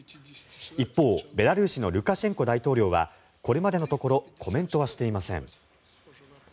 一方、ベラルーシのルカシェンコ大統領はこれまでのところコメントはしていません。